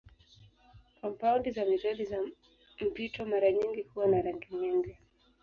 Kampaundi za metali za mpito mara nyingi huwa na rangi nyingi.